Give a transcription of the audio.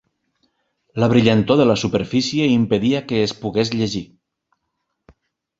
La brillantor de la superfície impedia que es pogués llegir.